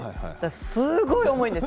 すごく重たいんです。